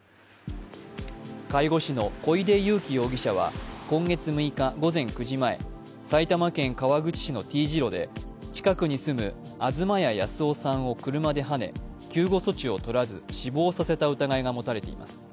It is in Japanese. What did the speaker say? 介護士の小出遊輝容疑者は今月６日午前９時前、埼玉県川口市のＴ字路で近くに住む、東谷靖男さんを車ではね、救護措置を取らず、死亡させた疑いが持たれています。